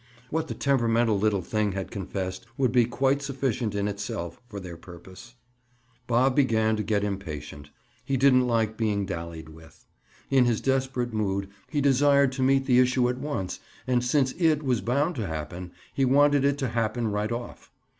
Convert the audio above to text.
What the temperamental little thing had confessed would be quite sufficient in itself, for their purpose. Bob began to get impatient; he didn't like being "dallied" with. In his desperate mood, he desired to meet the issue at once and since "it" was bound to happen, he wanted it to happen right off.